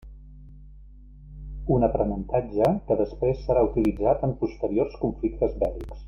Un aprenentatge que després serà utilitzat en posteriors conflictes bèl·lics.